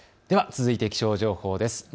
では続いては気象情報です。